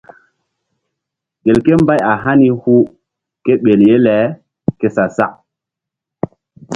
Gelke mbay a hani hu ke ɓel ye le ke sa-sak.